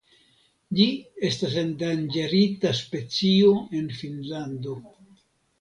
Ĝi estas endanĝerita specio en Finnlando.